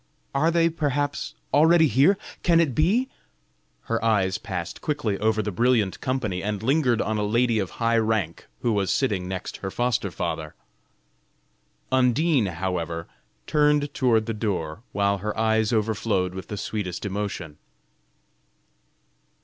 Are they perhaps already here? Can it be?" Her eye passed quickly over the brilliant company and lingered on a lady of high rank who was sitting next her foster father. Undine, however, turned toward the door, while her eyes overflowed with the sweetest emotion.